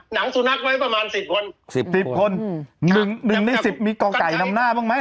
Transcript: หนังสุนัขไว้ประมาณสิบคนสิบสิบคนหนึ่งหนึ่งในสิบมีก่อไก่นำหน้าบ้างไหม